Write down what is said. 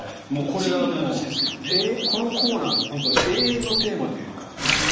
これはこのコーナーの永遠のテーマというか。